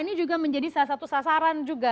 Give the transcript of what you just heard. ini juga menjadi salah satu sasaran juga